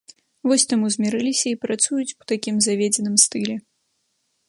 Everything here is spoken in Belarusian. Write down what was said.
Вось таму змірыліся і працуюць у такім заведзеным стылі.